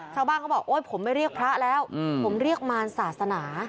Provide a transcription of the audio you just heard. เขาบอกโอ๊ยผมไม่เรียกพระแล้วผมเรียกมารศาสนา